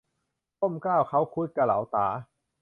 ก้มเกล้าเค้าคุดกะหลาต๋า